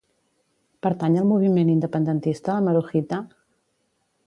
Pertany al moviment independentista la Marujita?